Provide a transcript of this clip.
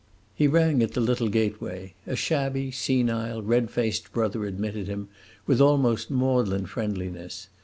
He rang at the little gateway; a shabby, senile, red faced brother admitted him with almost maudlin friendliness.